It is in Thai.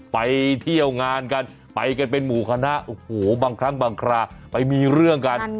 ไปเที่ยวงานกันไปกันเป็นหมู่คณะโอ้โหบางครั้งบางคราไปมีเรื่องกัน